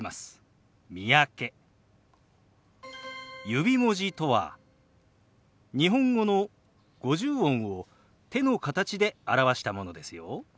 指文字とは日本語の五十音を手の形で表したものですよ。